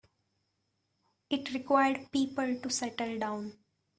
It required people to settle down.